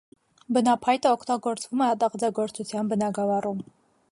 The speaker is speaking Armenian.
Բնափայտը օգտագործվում է ատաղձագործության բնագավառում։